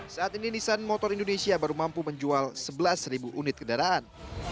saat ini nissan motor indonesia baru mampu menjual sebelas unit kendaraan